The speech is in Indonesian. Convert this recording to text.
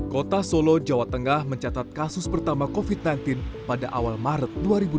kota solo jawa tengah mencatat kasus pertama covid sembilan belas pada awal maret dua ribu dua puluh